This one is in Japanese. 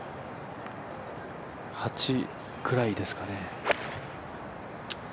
８くらいですかね。